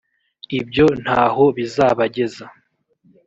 ibyo nta ho bizabageza